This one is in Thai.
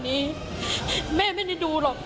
ดีกว่าจะได้ตัวคนร้าย